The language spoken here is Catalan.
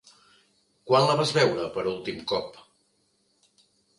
Quan la vas veure per últim cop?